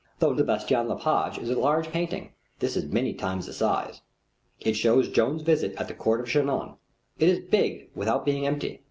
Though the Bastien Lepage is a large painting, this is many times the size. It shows Joan's visit at the court of Chinon. It is big without being empty.